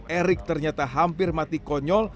erik ternyata hampir mati konyol